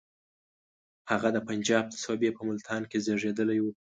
هغه د پنجاب د صوبې په ملتان کې زېږېدلی وو.